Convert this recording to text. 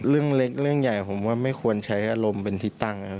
เรื่องเล็กเรื่องใหญ่ผมว่าไม่ควรใช้อารมณ์เป็นที่ตั้งนะครับ